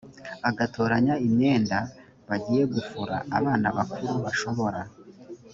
agatoranya imyenda bagiye gufura abana bakuru bashobora